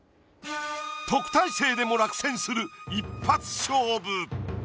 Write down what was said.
特待生でも落選する一発勝負。